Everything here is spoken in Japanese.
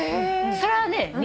それはね